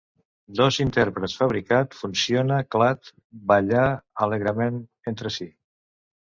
Dos intèrprets fabricat funciona CLAD ballar alegrement entre si.